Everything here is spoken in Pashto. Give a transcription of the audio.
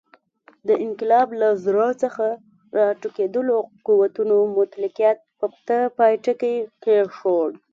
د انقلاب له زړه څخه راټوکېدلو قوتونو مطلقیت ته پای ټکی کېښود.